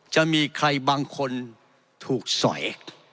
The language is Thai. จะมีใครบางคนถูกสอย